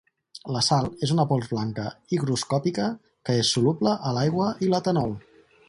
La sal és una pols blanca higroscòpica que és soluble a l'aigua i l'etanol.